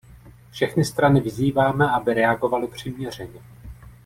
Všechny strany vyzýváme, aby reagovaly přiměřeně.